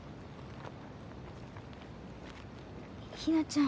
ひなちゃん。